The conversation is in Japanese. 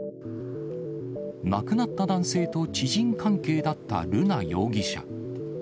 亡くなった男性と知人関係だった瑠奈容疑者。